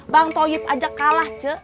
bang toyip aja kalah ce